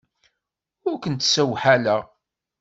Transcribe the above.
Ur kent-ssewḥaleɣ.